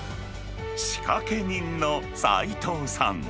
仕掛け人の齋藤さん。